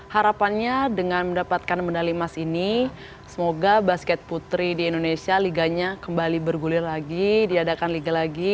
harapannya dengan mendapatkan medali emas ini semoga basket putri di indonesia liganya kembali bergulir lagi diadakan liga lagi